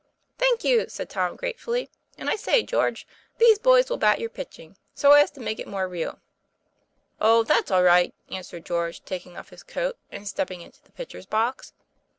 " Thank you," said Tom gratefully. ;' And I say, George, these boys will bat your pitching so as to make it more real." "Oh! that's all right," answered George, taking off his coat, and stepping into the pitcher's box.